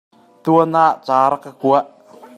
Tuan ah ca rak ka kua.